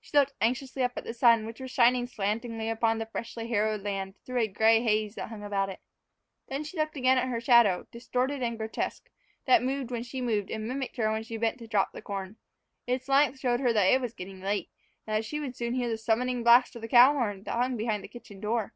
She looked anxiously up at the sun, which was shining slantingly upon the freshly harrowed land through a gray haze that hung about it. Then she looked again at her shadow, distorted and grotesque, that moved when she moved and mimicked her when she bent to drop the corn. Its length showed her that it was getting late, and that she would soon hear the summoning blast of the cow horn that hung behind the kitchen door.